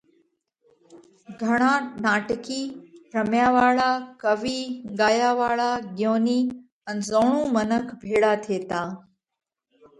گھڻا ناٽڪِي، رميا واۯا، ڪوِي، ڳايا واۯا، ڳيونِي ان زوڻُو منک ڀيۯا ٿيتا۔